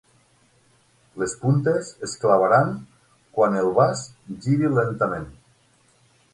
Les puntes es clavaran quan el vas giri lentament.